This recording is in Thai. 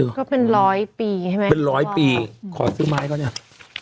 ก็เป็นร้อยปีใช่ไหมเป็นร้อยปีขอซื้อไม้เขาเนี่ย